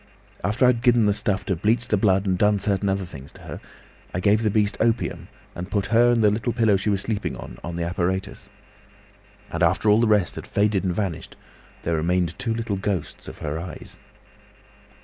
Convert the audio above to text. After I'd given the stuff to bleach the blood and done certain other things to her, I gave the beast opium, and put her and the pillow she was sleeping on, on the apparatus. And after all the rest had faded and vanished, there remained two little ghosts of her eyes."